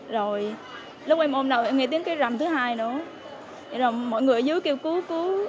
rồi lúc em ôm đầu em nghe tiếng cái rầm thứ hai nữa rồi mọi người ở dưới kêu cứu cứu